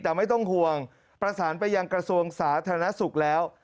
แต่ไม่ต้องห่วงประสานไปยังกระทรวงสาธารณสุขแล้ว